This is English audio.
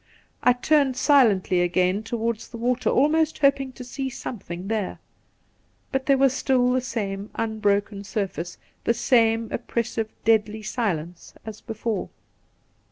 I turned silently again towards the water, almost hoping to see something there ; but there was stUl the same unbroken surface, the same oppressive deadly silence as before.